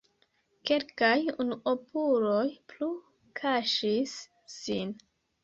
Kelkaj unuopuloj plu kaŝis sin.